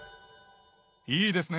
いいですね。